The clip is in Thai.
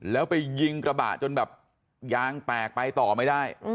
แล้วไปยิงกระบะจนแบบยางแตกไปต่อไม่ได้